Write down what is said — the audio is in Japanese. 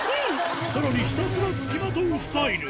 さらにひたすら付きまとうスタイル